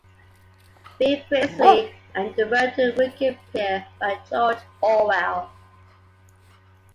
B. Priestley and "The Road to Wigan Pier" by George Orwell.